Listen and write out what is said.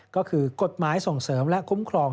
ก็คือกฎหมายส่งเสริมและคุ้มครอง